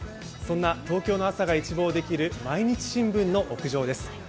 そんな東京の朝が一望できる毎日新聞の屋上です。